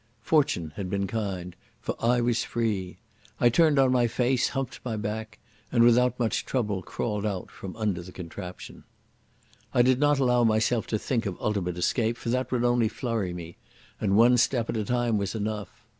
Fortune had been kind, for I was free. I turned on my face, humped my back, and without much trouble crawled out from under the contraption. I did not allow myself to think of ultimate escape, for that would only flurry me, and one step at a time was enough.